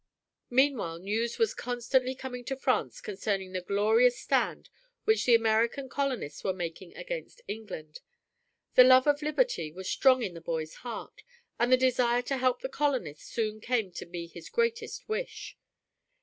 Meanwhile news was constantly coming to France concerning the glorious stand which the American colonists were making against England. The love of liberty was strong in the boy's heart, and the desire to help the colonists soon came to be his greatest wish.